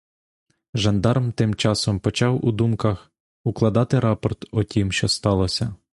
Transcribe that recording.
Жандарм тим часом почав у думках укладати рапорт о тім, що сталося.